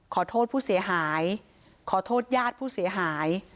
ขอโทษผู้เสียหายขอโทษญาติผู้เสียหาย